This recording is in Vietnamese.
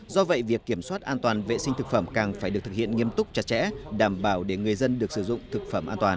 do vậy việc kiểm soát an toàn vệ sinh thực phẩm càng phải được thực hiện nghiêm túc chặt chẽ đảm bảo để người dân được sử dụng thực phẩm an toàn